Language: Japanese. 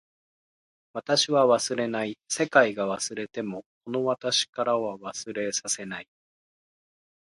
私は忘れない。世界が忘れてもこの私からは忘れさせない。